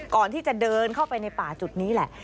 ก่อนที่จะเดินเข้าไปในป่าจุดนี้แหละ